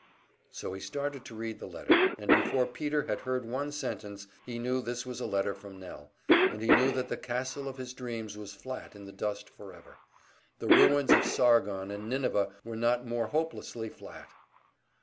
So he started to read the letter; and before Peter had heard one sentence, he knew this was a letter from Nell, and he knew that the castle of his dreams was flat in the dust forever. The ruins of Sargon and Nineveh were not more hopelessly flat!